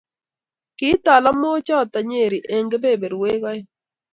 kiit talamoichoto Nyeri eng kebeberwek aeng